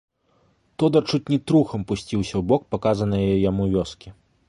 Тодар чуць не трухам пусціўся ў бок паказанае яму вёскі.